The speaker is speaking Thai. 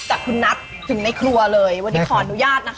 จากคุณนัทถึงในครัวเลยวันนี้ขออนุญาตนะคะ